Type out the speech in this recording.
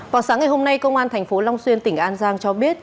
vào sáng ngày hôm nay công an tp long xuyên tỉnh an giang cho biết